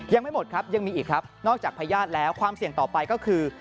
ยังไม่หมดครับยังมีอีกครับนอกจากพญาติแล้วความเสี่ยงต่อไปก็คือ